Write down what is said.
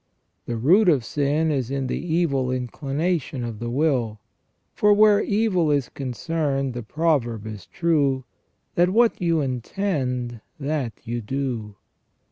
The root of sin is in the evil inclination of the will ; for where evil is concerned the proverb is true, that what you intend that you do.